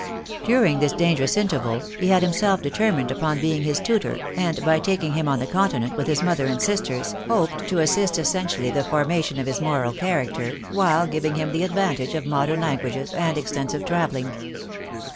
During this dangerous interval he had himself determined upon being his tutor, and, by taking him on the continent with his mother ■and sisters, hoped to assist essentially the formation of his moral character while giving him the advantage of modern languages and extensive traveUing.